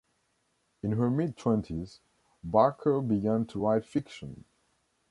In her mid-twenties, Barker began to write fiction.